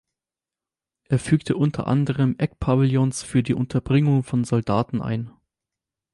Er fügte unter anderem Eckpavillons für die Unterbringung von Soldaten ein.